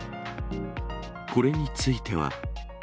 これについては。